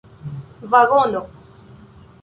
vagono